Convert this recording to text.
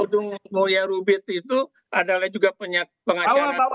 kedung mulya rubit itu adalah juga pengacara